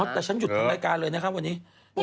อ่ะแต่ชั้นหยุดทำรายการนะกันเลยนะข้าวันนี้